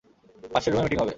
পাশের রুমে মিটিং হবে।